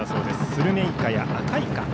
スルメイカやアカイカ。